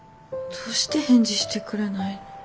どうして返事してくれないの？